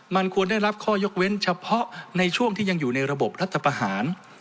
มันควรได้รับข้อยกเว้นเฉพาะในช่วงที่ยังอยู่ในระบบรัฐประหาร